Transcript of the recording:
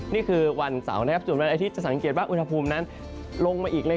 นี่คือวันเสาร์ส่วนวันอาทิตย์จะสังเกตว่าอุณหภูมินั้นลงมาอีกเลย